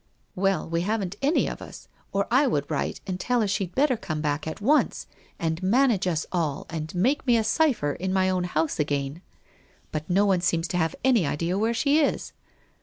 ' Well, we haven't, any of us, or I would write and tell her she'd better come back at once and manage us all and make me a cipher in my own house again. But no one seems to have any idea where she is.